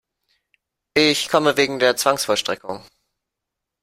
Ich komme wegen der Zwangsvollstreckung.